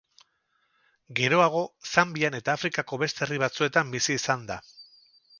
Geroago Zambian eta Afrikako beste herri batzuetan bizi izan da.